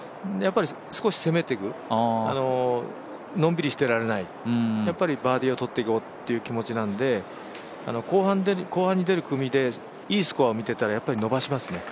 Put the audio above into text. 少し攻めていく、のんびりしていられない、やっぱりバーディーを取っていこうという気持ちなので後半に出る組でいいスコアを見ていたらやっぱり伸ばしますね。